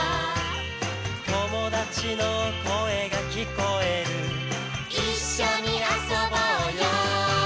「友達の声が聞こえる」「一緒に遊ぼうよ」